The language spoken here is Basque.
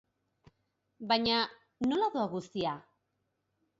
Baina, nola doa guztia?